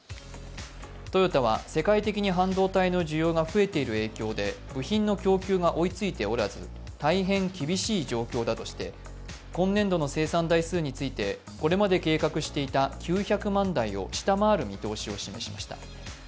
トヨタは世界的に半導体の需要が増えている影響で部品の供給が追いついておらず大変厳しい状況だとして今年度の生産台数について、これまで計画していた９００万台を下回る見通しを示しました。